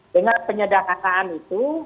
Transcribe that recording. dengan penyederhanakan itu